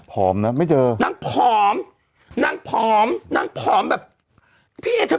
ผ่อมนั้ะไม่เจอนางผอมนางผอมนางผอมแบบพี่เอจะ